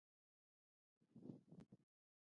ژورې سرچینې د افغان ماشومانو د لوبو موضوع ده.